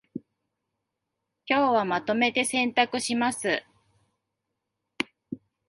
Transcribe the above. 今日はまとめて洗濯します